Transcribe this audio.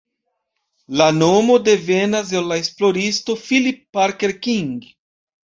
La nomo devenas el la esploristo Phillip Parker King.